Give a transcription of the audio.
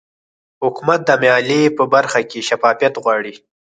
حکومت د مالیې په برخه کې شفافیت غواړي